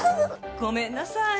ごめんなさい。